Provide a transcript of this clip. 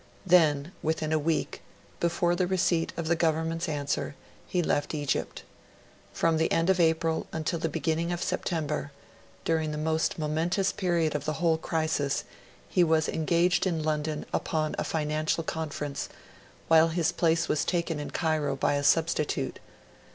Then, within a week, before the receipt of the Government's answer, he left Egypt. From the end of April until the beginning of September during the most momentous period of the whole crisis, he was engaged in London upon a financial conference, while his place was taken in Cairo by a substitute.